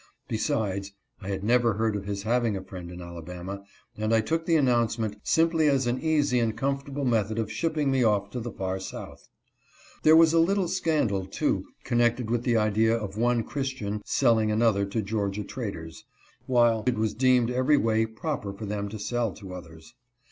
Besides, I had never heard of his having a friend in Alabama, and 218 RELEASED AND SENT TO BALTIMORE. I took the announcement simply as an easy and comforta ble method of shipping me off to the far south. There was a little scandal, too, connected with the idea of one Christian selling another to Georgia traders, while it was deemed every way proper for them to sell to others.